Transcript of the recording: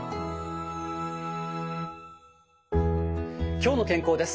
「きょうの健康」です。